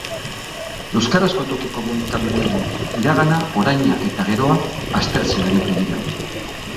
Euskarazko toki komunikabideen iragana, oraina eta geroa aztertzen aritu dira.